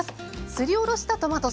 すりおろしたトマトソース。